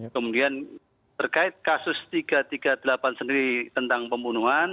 kemudian terkait kasus tiga ratus tiga puluh delapan sendiri tentang pembunuhan